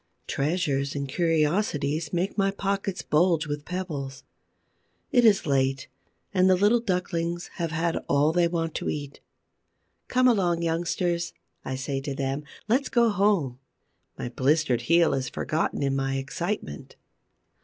Treasures and curiosities make my pockets bulge with pebbles. It is late and the little ducklings have had all they want to eat. "Come along, youngsters," I say to them, "let's go home." My blistered heel is forgotten in my excitement.